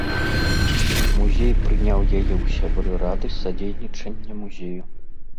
Музей прыняў яе ў сябры рады садзейнічання музею.